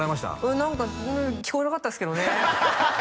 うん何かうん聞こえなかったっすけどね